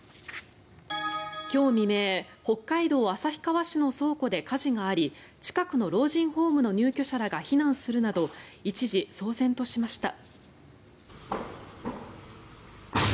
今日未明北海道旭川市の倉庫で火事があり近くの老人ホームの入居者らが避難するなど一時、騒然としました。